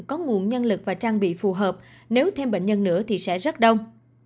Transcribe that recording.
có nguồn nhân lực và trang bị phù hợp nếu thêm bệnh nhân nữa thì sẽ rất đông